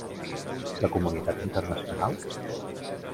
La comunitat internacional?